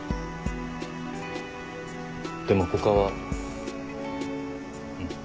でも他はうん。